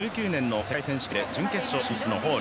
２０１９年の世界選手権で準決勝進出のホール。